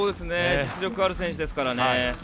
実力ある選手ですからね。